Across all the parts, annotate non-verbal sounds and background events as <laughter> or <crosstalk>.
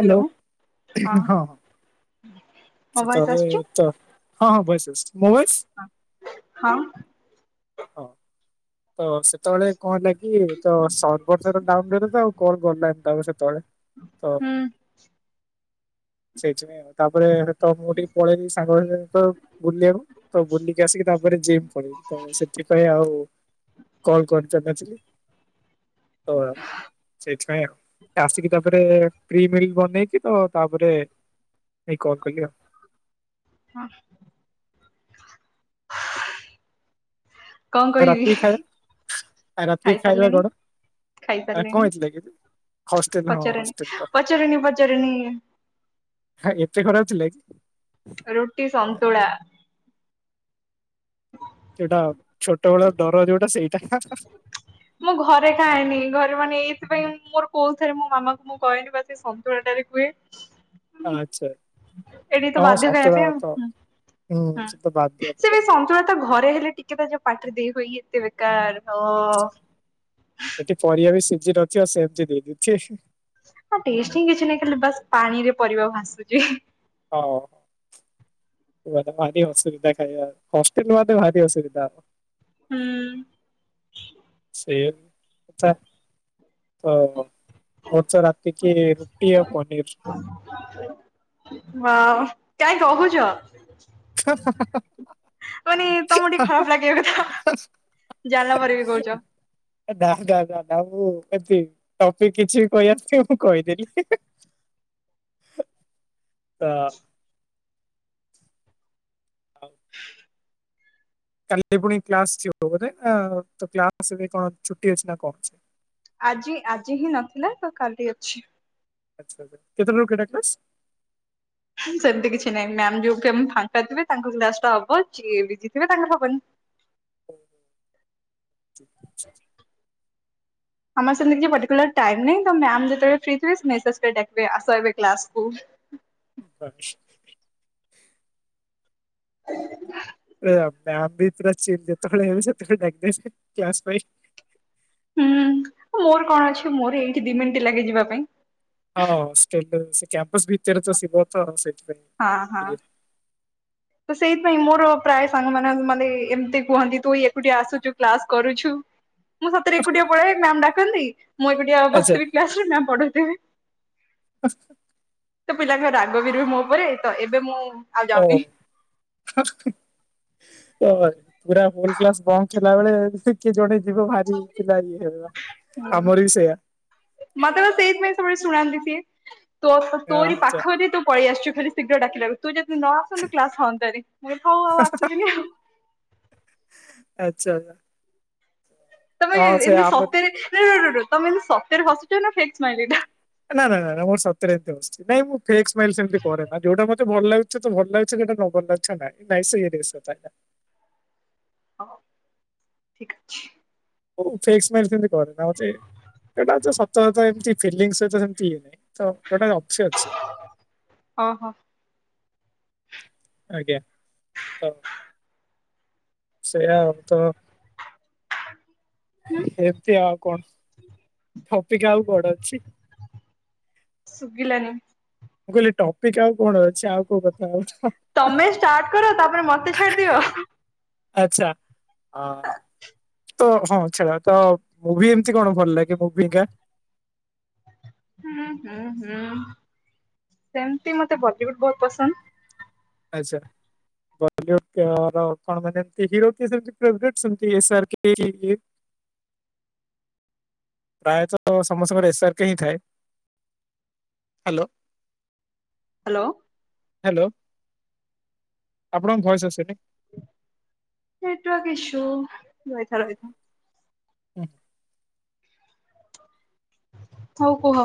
Hello hello ହଁ ମୋ voice ସେତେବଲେ ଆସୁଛି ତ ହଁ ହଁ ଭଏସ୍ ଆସୁଚି ମୋ ଭଏସ୍। ହଁ ହଁ। ତ ସେତେବେଳେ କଣ ହେଲା କି ତ ସରବରସହିତ ଡ଼ାଉନୁ ରହିଲାତ ଆଉ କଣ ଗଲା ଏମିତି ସେତେବେଳେ ତ ହୁଁ ସେଇଥିପାଇଁ ତାପରେ ତ ମୁଁ ଟିକେ ପଳେଇ ଆଇଲି ସାଙ୍ଗ ମାନଙ୍କ ସହିତ ବୁଲିବାକୁ ତ ବୁଲିକି ଆସିକି ତାପରେ ଜିମ୍ ପଳେଇଲି ତ ସେ ସେଥିପାଇଁ ଆଉ କଲ୍ କରିପାରିନଥିଲି ହ ସେଇଥିପାଇଁ ଆଉ ଆସିକି ତାପରେ ପ୍ରି ମିଲ୍ ବନେଇକି ତ ତାପରେ ଏଇ କଲ୍ କଲି ଆଉ। ହଁ। କଣ କହିବି? ଆରାତି ଖାଇବା ଖାଇସାରିଲେଣି କଣ? ଆ କଣ ଖାଇସାରିଲେଣି ହେଇଥିଲାକି ହଷ୍ଟେଲେ ହଁ ପଚାରନି ହଷ୍ଟେଲେ ତ ପଚାରନି ପଚାରନି କାଇଁ ଏତେ ଖରାପ ଥିଲା କି? ରୁଟି, ସନ୍ତୁଳା। <unintelligible> ସେଟା ଛୋଟ ବେଳର ଡର ଯୋଉଟା ସେଇଟା ହା ହା। ମୁଁ ଘରେ ଖାଏନି ଘରେ ମାନେ ଏଇଥିପାଇଁ ମୋର କୋଉ ଥରେ ମୋ ମାମାଙ୍କୁ ମୁଁ କହେନି ବା ସେ ସନ୍ତୁଳା ଟାରେ କୁଏ। ଅ ଆଚ୍ଛା। ଏଠି ତ ହଁ ବାଧ୍ୟ ଖାଇବା ସନ୍ତୁଳା ତ ପାଇଁ ହୁଁ ଆଉ ସେ ତ ବାଧ୍ୟ ସେ ବି ଟୋଟାଲି ସନ୍ତୁଳା ତ ଘରେ ହେଲେ ଟିକେ ତ ଯୋଉ ପାଟିରେ ଦେଇହୁଏ ଇଏ ଏତେ ବେକାର ହୋ। ଏଠି ପରିବା ବି ସିଝି ନଥିବ ସେମିତି ଦେଇଦିଏ ଛେ। ତାର ଟେଷ୍ଟ ହି କିଛି ନାଇଁ ଖାଲି ବାସ୍ ପାଣି ରେ ପରିବା ଭାସୁଚି। ହଁ। <unintelligible> ହୁଏତ ଭାରି ଅସୁବିଧା ଖାଇବା ହଷ୍ଟେଲେ ରେ ଭାରି ଅସୁବିଧା। ହୁଁ। ସେମେ କଥା ତ ବର୍ଚ୍ଚ ରାତି କି ରୁଟି ଆଉ ପନିରି। ମା କାଇଁ କହୁଚ। <inaudible> କହିଲି ତମକୁ ଟିକେ ଖରାପ ଲାଗିବା କଥା ଜାଲ ପରେ ବି କହୁଚ। ଦା ଦାଦା ଦା ମୁଁ ଏତି ଟପିକି କିଛି କହିଆସିଛି ମୁଁ କହିଦେଲି। ତ <unintelligible> ଆଉ <unintelligible> କାଲି ପୁଣି କ୍ଲାସ ଯିବ ବୋଧେ ତ କ୍ଲାସ ଏବେ କଣ ଛୁଟି ଅଛି ନା କଣ ଅଛି? ଆଜି ଆଜି ହିଁ ନଥିଲା ତ କାଲି ଅଛି। ଆଚ୍ଛା କେତେଟା ରୁ କେଟା କ୍ଲାସ? ସେମିତି କିଛି ନାହିଁ ମ୍ୟାମ ଯୋଉ ଆମେ ଫାଙ୍କା ଥିବେ ତାଙ୍କୁ ବି ଲାଷ୍ଟ ଟା ହବ ଯିଏ ବିଜି ଥିବେ ତାଙ୍କୁ ହବନି। ଅ <unintelligible> ଆମର ସେମିତି କିଛି ପଟିକୁଲାର ଟାଇମ୍ ନାହିଁ ତ ମାମ ଫ୍ରି ଥିବେ ମେସେଜ କରିକି ଡାକିବେ ଆସ ଏବେ କ୍ଲାସ ହୋଉ। ବ <unintelligible> <inaudible> ମ ବି ପୁରା ଯେତେବେଳେ ସେତଳେଡା୍ ପାଇଁ <unintelligible> ହୁଁ ମୋର କଣ ଅଛି ମୋର ଏଇଠି ଦି ମିନିଟି ଲାଗେ ଯିବା ପାଇଁ। ହଁ ଷ୍ଟିଲ୍ ସେ କ୍ୟାମ୍ପସ ଭିତରେ ତ ଶିବ ତ ସେଥିପାଇଁ। ହଁ ହଁ। ତ ସେଇଥିପାଇଁ ମୋର ପ୍ରାୟ ସାଙ୍ଗ ମାନେ ମାନେ ଏମିତି କୁହନ୍ତି ତୁ ଏକୁଟିଆ ଆସୁଚୁ କ୍ଲାସ କରୁଛୁ। <inaudible> ମୁଁ ସତରେ ଏକୁଟିଆ ପଢାଏ ମ୍ୟାମ ଡାକନ୍ତି ମୁଁ ଏକୁଟିଆ ଆଚ୍ଛା ବସିଥିବି କ୍ଲାସ ରେ ମ୍ୟାମ ପଢଉଥିବେ। ହସ ତ ପିଲାଙ୍କ ରାଗ ବି ରହେ ମୋ ଉପରେ ତ ଏବେ ମୁଁ ଆଉ ହଁ। ଯାଉନି। ଓ ପୁରା ହୋଲ କ୍ଲାସ ବନ୍ଦ ଥିଲା ବଳେ କିଏ ଜଣେ ଯିବ ଭାରି ପିଲା ଇଏ ହେବେ ହୁଁ ଵା। ମତେ ସେଇଥିପାଇଁ ସବୁବେଳେ ଶୁଣାନ୍ତି ସିଏ ତୋ ତୋରି ଆଚ୍ଛା ପାଖରେ ତୋ ପଳେଇ ଆସୁ ଶୀଘ୍ର ଡାକିଲା ବେଳୁ ତୁ ଯଦି ନ ଆସନ୍ତୁ କ୍ଲାସ ହନ୍ତାନି ମୁଁ କହିଲି ହଁ ଆଉ ଆସିବିନି ଆଉ‌। ଆଚ୍ଛା। ତମେ ହଁ ସେଇଆ ଏମିତି ଆମର ସତରେ ରୁହ ରୁହ ରୁହ ତମେ ଏମତି ସତରେ ହସୁଛ ନା ଫେକ ସ୍ମାଇଲି ଏଟା? ନା ନା ନା ନା ମୋର ସତରେ ଏମତି ହସୁଛି ନାଇ ମୁଁ ଫେକ୍ ସ୍ମାଇଲ୍ ସେମତି କରେ ନା ଯୋଉଟା ମୋ ତେ ଭଲ ଲାଗୁଛି ତ ଭଲ ଲାଗୁଛି କୋଟା ନ ଭଲ ଲାଗୁଛ ତ ନାଇଁ <unintelligible> ହ ଠିକ୍ ଅଛି। ଫିକ୍ସି ମାରିଚନ୍ତି ଘରେ ନା ହଉଛି ସେଟା ତ ସତ ସତ ଏମିତି ଫିଲିଙ୍ଗସ୍‌ ସହିତ ସେମତି ଇଏ ନାହିଁ। ତ ଯୋଉଟା ଅଛି ଅଛି। ଓହୋ ଆଜ୍ଞା ତ ସେଇୟା ଆଉ ତ ହୁଁ ଏମତି ଆଉ କଣ ପ୍ରତିଜ୍ଞା ଆଉ କଣ ଅଛି? ସୁଗିଲାନ। ମୁଁ କହିଲି ଟପିକ୍ ଆଉ କଣ ଅଛି ଆଉ କୋଉ କଥା କହୁଛ? ତମେ ଷ୍ଟାର୍ଟ କର ତାପରେ ମତେ ଛାଡିଦିଅ। ଆଛା ହଁ ତ ହଁ ଛଡା ତ ମୁଭି ଏମିତି କଣ ଭଲ ଲାଗେ ମୁଭି ଗା ହୁଁ ହୁଁ ହୁଁ ସେମତି ମତେ ବଲିଉଡ ବହୁତ ପସନ୍ଦ। ଆଚ୍ଛା। ବଲିଉଡ କଣ କଣ ମାନେ ଏମିତି ହିରୋ କିଏ ସେମିତି ଫେବରେଟ୍ ସେମିତି ଏସ୍ ଆର୍। <unintelligible> ପ୍ରାୟତଃ ସମସ୍ତଙ୍କର ଏସ୍ ଆର୍ କେ ହିଁ ଥାଏ। ହାଲୋ। ହାଲୋ। ହାଲୋ ଆପଣଙ୍କ ଭଏସ୍ ଆସିନି। ନେଟୱର୍କ ଈସୁ ରହିଥା- ରହିଥା। <unintelligible> ହଉ କୁହ।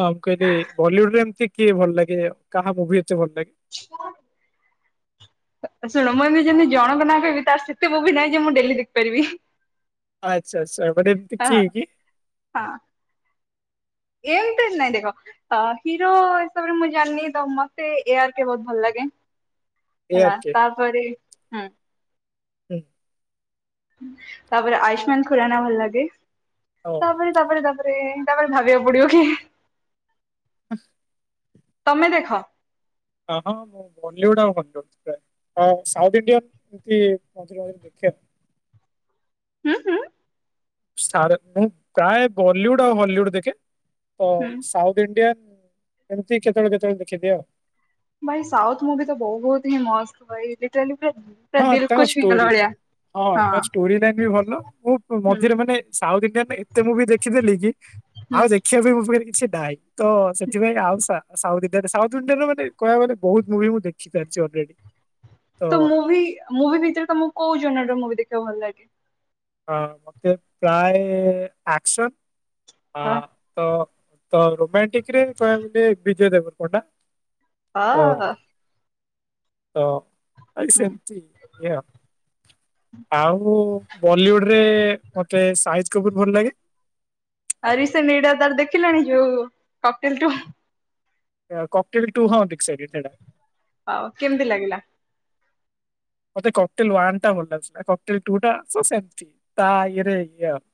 ହଁ ମୁଁ କହିଲି ବଲିଉଡ ରେ ଏମିତି କିଏ ଭଲ ଲାଗେ କାହା ମୁଭି ଏତେ ଭଲ ଲାଗେ। <unintelligible> ଶୁଣ ମୁଁ ଏବେ ଯେମିତି ଜଣଙ୍କ ନାଁ କହିବି ତାର ସେତେ ମୁଭି ନାହିଁ ଯେ ମୁଁ ଡେଲି ଦେଖିପାରିବି। ଆଚ୍ଛା- ଆଚ୍ଛା ଏପଟେ ଆ ହଁ ଏମିତି ନାଇଁ ଦେଖ। ଅ ହିରୋ ହିସାବରେ ମୁଁ ଜାଣିନି ତ ମତେ ଏ ଆର୍ କେ ବହୁତୁ ଭଲ ଲାଗେ। ଏ ହେଲା ଆର୍ କେ ତାପରେ ହୁଁ। <unintelligible> ତାପରେ ଆୟୁଶ୍ମାନ ଖୁରାନା ଭଲ ଲାଗେ ଓ ତାପରେ ତାପରେ- ତାପରେ- ତାପରେ ଭାବିବାକୁ ପଡିବ କି <unintelligible> ତମେ ଦେଖ, ହଁ ହଁ ବଲିଉଡ ଆଉ <unintelligible> ହଁ ସାଉଥ ଇଣ୍ଡିଆନ୍ ମୁଭି ଏମିତି ମଝିରେ ମଝିରେ ଦେଖେ ଆଉ। ହୁଁ ହୁଁ। <unintelligible> ମୁଁ ପ୍ରାୟ ବଲିଉଡ ଆଉ ହଲିଉଡ ଦେଖେ। ତ ହୁଁ ସାଉଥ ଇଣ୍ଡିଆନ୍ ଏମତି କେତେବେଳେ କେତେବେଳେ ଦେଖିଦିଏ ଆଉ। ଭାଇ ସାଉଥ ମୁଭି ତ ବହୁତ ହିଁ ମସ୍ତ ଭାଇ ରିଟାଲି ଯେ ହଁ ଦିଲ୍ ତାଙ୍କ କୁ ଷ୍ଟୋରି ଛୁଇଁଗଲା ଭଳିଆ। ହଁ ତା ଷ୍ଟୋରି ଟା ବି ଭଲ। ମୁଁ ହୁଁ ମଝିରେ ମାନେ ସାଉଥ ଇଣ୍ଡିଆ ପାଇଁ ଏତେ ମୁଭି ଦେଖିଦେଲି କି ଆଉ ହୁଁ ଦେଖିବା ପାଇଁ ମୋ ପାଖରେ କିଛି ନାହିଁ ତ ସେଥିପାଇଁ ଆଉ ସା-ସାଉଥ ସାଉଥଇଣ୍ଡିଆରେ ମାନେ କହିବା କୁ ଗଲେ ବହୁତୁ ମୁଭି ମୁଁ ଦେଖିସାରିଛି ଅଲରେଡି। ତ ମୁଭି ମୁଭି ଭିତରେ ତମ କୋଉ ଜନାଲ ର ମୁଭି ଦେଖିବାକୁ ଭଲ ଲାଗେ? ହଁ ମୋତେ ପ୍ରାୟ ଆକ୍ସନ ଆ ହା ତ ତ ରୋମାଣ୍ଟିକରେ କହିବାକୁ ଗଲେ ବିଜୟ ଦେବ ପଣ୍ଡା। ତ ହା ତ ଆ ହୁଁ ସେମିତି ଇ ଆଉ ବଲିଉଡ ରେ ମତେ ସା କପୁର ଭଲ ଲାଗେ। <unintelligible> ଦେଖିଲାଣି ଯୋଉ କପିଲ୍ ଟୁ? କପିଲ୍ ଟୁ ହଁ ଦେଖିସାଇଲିନି ହେଟା। ଆଉ କେମିତି ଲାଗିଲା? ମତେ କଟିଲ୍ ୱାନ୍ ଟା ଭଲ ଲାଗୁଚି କଟିଲ ଟୁ ଟା ସେମିତି ତା ଇରେ ଇଏ ଆଉ।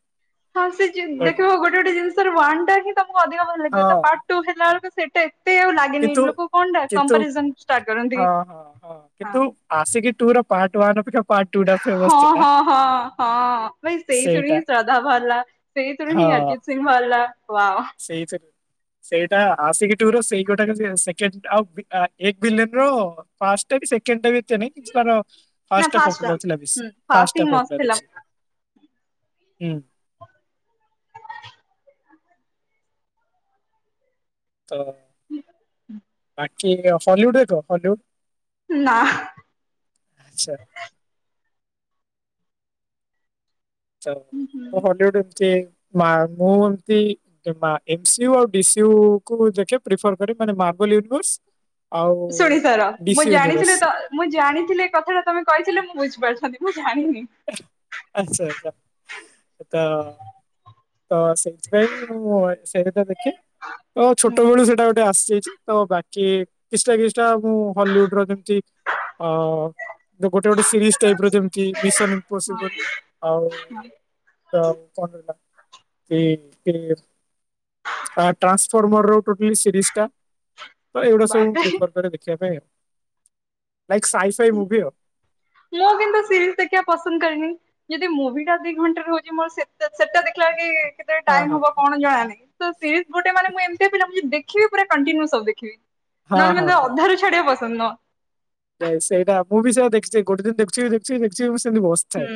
ହଁ ସେ ଯେ ବଟ ଦେଖିବ ଗୋଟେ ଗୋଟେ ଜିନିଷ ୱାନ ହିଁ ତମକୁ ଅଧିକ ଭଲ ଲାଗିବ ହଁ ତା ପାଟ୍ ଟୁ ହେଲା ବେଳକୁ ସେଟା ଏତେ ଆଉ ଲାଗ ଖାଲି ନି କିନ୍ତୁ ଲୋକ କଣ ଟା କିନ୍ତୁ କମ୍ପାରିଜନ ଷ୍ଟାର୍ଟ କରନ୍ତି, ହଁ ହଁ ହଁ। କିନ୍ତୁ ଆସିକି ଟୁ ର ପାର୍ଟ ୱାନ୍ ଅପେକ୍ଷା ପାର୍ଟ ଟୁ ଟା ଫେମସ ହଁ ଥିଲା ହଁ ହଁ ହଁ ଭାଇ ସେଇଠୁ ସେଇଟା ହିଁ ଶ୍ରଦ୍ଧା ବାହାରିଲା। ସେଇଥିରୁ ହିଁ ଅରଜିତ୍ ସିଂ ବାହାରିଲା ୱାହ। ସେଇଥିରୁ ସେଇଟା ଆସିକି ଟୁ ର ସେଇ ଗୋଟାକ ସେକେଣ୍ଡ ଆଉ ଆ ଏକ୍ ଭିଲେନ ର ଫାଷ୍ଟ ସେକେଣ୍ଡଟା ବି ଏତେ ନାହିଁ ତାର ନା ଫାଷ୍ଟ ଟା ପପୁଲାର ଥିଲା ବେଶୀ ହୁଁ ଫାଷ୍ଟ ଟା ହିଁ ମସ୍ତ ପପୁଲାର ଥିଲା ଅଛି। ହୁଁ। ତ କି ହଲିଉୁଡ ଏକ ହଲିଉୁଡ ନା। ଆଛା। ଆଛା। ତ ହଲିଉଡ ଏମିତି ମା ମୁଁ ଏମିତି ଏ ମା ଏମେସିୟୁ ଆଉ ବିସିୟୁ କୁ ଦେଖି ପିଫର୍ କରେ ମାନେ ମାବିଲିତୁସୁ ଶୁଣି ସାର ମୁଁ ଜାଣିଥିଲି ତ ମୁଁ ଜାଣିଥିଲି ଏ କଥାଟା ତମେ କହିଥିଲେ ମୁଁ ବୁଝିପାରିଥାନ୍ତି ମୁଁ ଜାଣିନି। ଆଛା ଆଛା। ତ ତ ସେଇଥିପାଇଁ ମୁଁ ସେଇ ତ ଦେଖେ ତ ଛୋଟ ବେଳୁ ସେଇଟା ଗୋଟେ ଆସିଯାଇଛି ତ ବାକି କିଛିଟା କିଛିଟା ମୁଁ ହଲିଉଡ ର ଯେମିତି ଅ ଗୋଟେ ଗୋଟେ ସିରିଜ୍ ଟାଇପ ର ଯେମିତି ମିଶନ୍ ଇମ୍ପୋସିମ୍ପଲ ଆଉ ତ କଣ ଏଟା ଏ <unintelligible> ଆ ଟ୍ରାନ୍ସଫର୍ମର ର ଟୋଟଲି ସିରିଜ୍ ଟା ତ ଏଗୁଡା ସବୁ ବାପରେ ପ୍ରିଫର କରେ ଦେଖିବା ପାଇଁ ଲାଇକ୍ ସାଇ ସାଇ ମୁଭି ଆଉ। ମୁଁ କିନ୍ତୁ ସିରିଜ୍ ଦେଖିଆ ପସନ୍ଦ୍ କରେନି। ଯଦି ମୁଭି ଟା ଦି ଘଣ୍ଟା ରେ ହଉଚି ମୋର ସେଟା ସେଟା ଦେଖିଲାଏଳି କି କେତେ ଟାଇମ୍ ହଁ ହଁ ହବ କଣ ଜଣାନାହିଁ ତୋ ସିରିଜ୍ ଗୋଟେ ମାନେ ମୁଁ ଏମତି ପିଲା ମୁଁ ଯଦି ଦେଖିବି ପୁରା କଣ୍ଟିନ୍ୟୁ ସବୁ ଦେଖିବି। ହଁ ନହେଲେ ହଁ ମନ୍ତେ ଅଧାରୁ ଛାଡିଆ ପସନ୍ଦ ନୁହଁ। ତ ସେଇଟା ମୁଁ ବି ସେୟା ଦେଖଛେ ଗୋଟେ ଦିନ୍ ଦେଖଛିି ଦେଖଛି ଦେଖଛି ମୁଁ ସେମତି ବସ୍ ହୁଁ।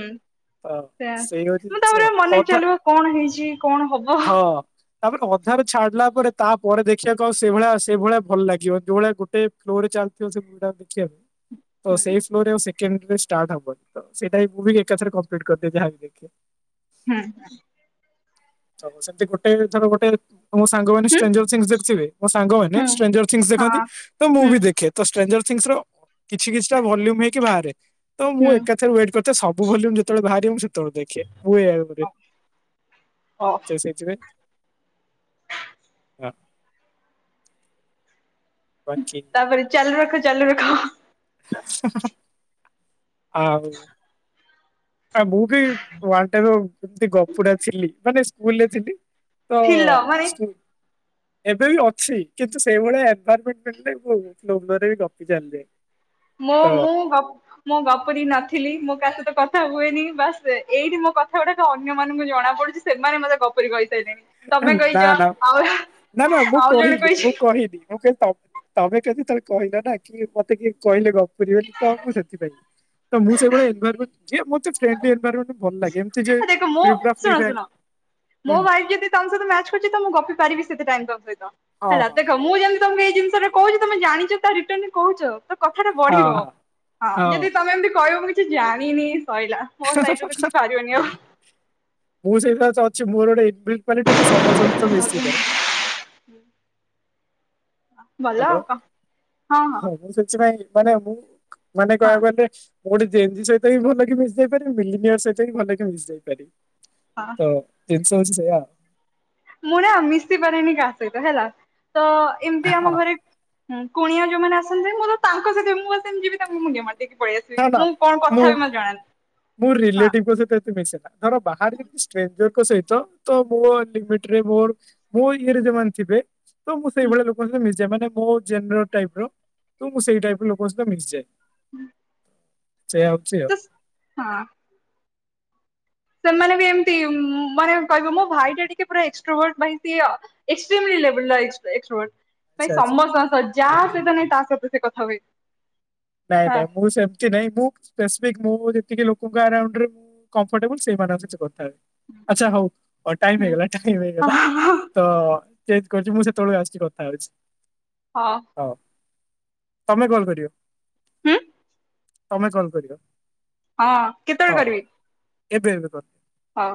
ସେଆ ମୁଁ ଜିନିଷ ତାପରେ ମନେଇ କଥା ଚାଲିବ କଣ ହେଇଚି କଣ ହବ? ହଁ ତାପରେ କଁ ଅଧାରେ ଛାଡିଲା ପରେ ତାପରେ ଦେଖିବାକୁ ଆଉ ସେଭଳିଆ ଆଉ ସେଭଳିଆ ଭଲ ଲାଗିବ ଯୋଉ ଭଳିଆ ଗୋଟେ ଫ୍ଲୋରେ ଚାଲିଥିବ ସେଗୁଡା ଦେଖିବାକୁ ଓ ହୁଁ ସେଇଫ୍ ଫ୍ଲୋରେ ଓ ସେକେଣ୍ଡ୍ ରେ ଷ୍ଟାର୍ଟ ହବ ତ ସେଇଟା ଇ ମୁଭିଙ୍ଗ୍ ଏକାଥରେ କମ୍ପ୍ଲିଟ୍ କରିଦିଏ ଯାହା ମୁଁ ଦେଖେ। ହୁଁ। ତ ସେମିତି ଗୋଟେ ଧର ଗୋଟେ ମୋ ସାଙ୍ଗମାନେ ହୁଁ ଷ୍ଟ୍ରେଞ୍ଜର୍ ଥିଙ୍ଗସ୍ ଦେଖୁଥିବେ ମୋ ସାଙ୍ଗମାନେ ହୁଁ ଷ୍ଟ୍ରେଞ୍ଜର୍ ଥିଙ୍ଗସ୍ ଙ୍ଗସ ଦେଖନ୍ତି ହଁ ତ ମୁଁ ହୁଁ ବି ଦେଖେ। ତ ଷ୍ଟ୍ରେଞ୍ଜର୍ ଥିଙ୍ଗସ୍ ର କିଛି କିଛିଟା ଭଲ୍ୟୁମ ହେଇକି ବାହାରେ ତ ମୁଁ ହୁଁ ଏକାଥରେ ୱେଟ୍ କର୍ ତ ସବୁ ଭଲ୍ୟୁମ ଯେତବେଳେ ବାହାରେ ମୁଁ ସେତବେଳେ ଦେଖେ ମୁଁ <unintelligible> ହଁ। ସେଥିପାଇଁ ପାଛି ତାପରେ ଚାଲୁ ରଖ ଚାଲୁ ରଖ। ହଁ ହଁ ହ ଆଉ ଆ ମୁଁ ବି ୱାନ୍ ଟାଇପ୍ ର ଏମତି ଗପୁଡା ଥିଲି ମାନେ ସ୍କୁଲରେ ଥିଲି। ତ ଥିଲ ମାନେ ସ୍କୁଲ ଏବେ ବି ଅଛି କିନ୍ତୁ ସେଇଭଳିଆ ଏନଭାରମେଣ୍ଟ୍ ରେ ମୁଁ <unintelligible> ଗପି ଚାଲିଯାଏ। ମୋ ତ ମୁଁ ଭାପ୍ ମୁଁ ଗପୁରୀ ନଥିଲି। ମୁଁ କା ସହିତ କଥା ହୁଏନି। ବାସ୍ ଏଇଠି ମୋ କଥା ଗୁଡାକ ଅନ୍ୟ ମାନଙ୍କୁ ଜଣା ପଡ଼ୁଚି। ସେମାନେ ମତେ ଗପୁରି କହିସାଇଲେଣି। ତମେ ନା କହିଚ ନା ଆଉ ନା ନା ମୁଁ ଆଉ ଜଣେ କହିଲି କହିଛି ମୁଁ କ କହିବି ମୁଁ କିନ୍ ତମ୍ ତମେ କେମିତି କହିଲ ନା କି ମତେ କିଏ କହିଲେ ଗ ରିଏଲ ତ ମୁଁ ସେଥିପାଇଁ ତ ମୁଁ ସେଇଭଳିଆ ଏନଭାରମେଣ୍ଟ୍ ଯିଏ ମୋତେ ଫ୍ରେଣ୍ଡଲି ଏନଭାରମେଣ୍ଟ୍ ଆ ଦେଖ ମୋ ଶୁଣ ଶୁଣ ହୁଁ ମୋ ଭାଇ ଯେଦି ତମ ସହିତ ମ୍ୟାଚ୍ କରୁଛି ତ ମୁଁ ଗପି ପାରିବି ସେତେ ଟାଇମ୍ ତମ ସହିତ ହଁ ହେଲା ହଁ ଦେଖ୍ ଖ ମୁଁ ଯେମିତି ତମକୁ ଏଇ ଜିନିଷରେ କହୁଚି ତମେ ଜାଣିଚ ତା ରିଟର୍ନରେ କହୁଚ? ତ କଥାଟା ହଁ ବଢିବ। ହଁ ହଁ ହଁ ଯେଦି ତମେ ଏମିତି କହିବ ମୁଁ କିଛି ଜାଣିନି ସଇଲା। ମୋ ସାଇଡରୁ ତ କିଛି ପାରିବନି <unintelligible> ମୁଁ ସେଇ ସକାଶେ ଅଛି। ମୋର ଗୋଟେ ଏନ୍ ବିଲ୍ଟ୍ କ୍ୱାଲିଟୀ ମୁଁ ସମସ୍ତଙ୍କ ସହ ଆଉ ମିଶିଯାଏ। ଭଲ ହ୍ୟାଲୋ ଆଉ କଣ। ହଁ ହଁ। ମୁଁ ସେଥିପାଇଁ ମାନେ ମୁଁ ମାନେ ହଁ କହିଆକୁ ଗଲେ ମୁଁ ଗୋଟେ ଜେମ୍ବି ସହିତ ବି ଭଲ କି ମିଶି ଯାଇ ପାରିବି। ମିଲିନିୟର ସହିତ ବି ଭଲ କି ମିିଶି ଯାଇ ପାରିବି। ହଁ ତ ତିନଷ ହେଉଚି ସେଇୟା। ମୁଁ ନା ମିଶି ପାରେନି କାହା ସହିତ ହେଲା ତ ଆଉ ଏମିତି ହଁ ଆମ ଘରେ ହୁଁ କୁଣିଆ ଯୋଉମାନେ ଆସନ୍ତି ମୁଁ ତ ତାଙ୍କ ସହିତ ବି ମୁଁ ଖାଲି ସେମିତି ଯିବି ତାଙ୍କୁ ମୁଣ୍ଡିଆ ମାର୍ ଦେଇକି ପଳେଇଆସିବି। ନା ନା ମୁଁ କଣ ମୁଁ କଥା ହେବି ମତେ ଜଣାନାହିଁ। ମୁଁ ହଁ ରିଲେଟିଭଙ୍କ ସହିତ ଏତେ ମିଶେନା କାରଣ ବାହାର ବି ମୁଁ ଷ୍ଟ୍ରେଞ୍ଜର୍ ଙ୍କ ସହିତ ତ ମୋ ଲିମିଣ୍ଟିରେ ମୋ ମୋ ଇଏରେ ଯେଉଁ ମାନେ ଥିବେ ତ ମୁଁ ହୁଁ ସେଇଭଳିଆ ଲୋ ଲୋକଙ୍କ ସହିତ ମିଶିଯାଏ ମାନେ ମୋ ଜେନେରାଲ୍ ଟାଇପିର ତ ମୁଁ ସେଇ ଟାଇପିର ଲୋକଙ୍କ ସହିତ ମିଶିଯାଏ ହୁଁ ସେଇଆ ହେଉଛି ହଁ ସେମାନେ ବି ଏମିତି ମାନେ କହିବେ ମୋ ଭାଇଟା ଟିକେ ଏକ୍ସଟ୍ରା ମାଇଟି ଏକ୍ସଟ୍ରା ମିଳିଲା ଏକ୍ସଟ୍ରା ୱାର୍ଡ ଭାଇ ଆଚ୍ଛା ଆଚ୍ଛା ସମସ୍ତଙ୍କ ସହିତ ଯାହା ସହିତ ନାଇଁ ତା ସହିତ ସେ କଥା ହୁଏ ନାଇଁ ହଁ ନାଇଁ ମୁଁ ସେ ନାଇଁ ମୁଁ ସ୍ପେଶିଫିକ ମୁଁ ଯେତିକି ଲୋକଙ୍କ ଆରାଉଣ୍ଡରେ କଫର୍ଟୋବୁଲି ସେମାନଙ୍କ ସହ କଥାହେବି ଆଚ୍ଛା ହଉ ମୋର ଟାଇମ୍ ହେଇଗଲା ଟାଇମି ହେଇଗଲା ହଁ ତ ଚେଞ୍ଜ କରୁଛି ମୁଁ ସେତେବେଳୁ ଆସୁଛିି କଥା ହେଉଛି ହଁ ହଉ ତମେ କଲ୍ କରିବ ହୁଁ ତମେ କଲ୍ କରିବ ହଁ କେତେବେଳେ ହଁ କରିବି ଏବେ ଏବେ କର ହଉ